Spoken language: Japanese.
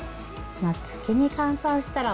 まあ月に換算したら、